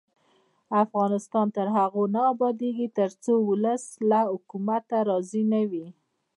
افغانستان تر هغو نه ابادیږي، ترڅو ولس له حکومته راضي نه وي.